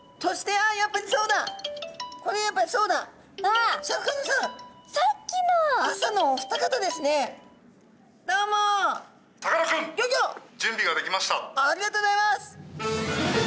ありがとうございます！